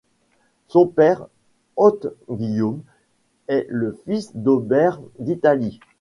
Son père, Otte-Guillaume, est le fils d'Aubert d'Italie.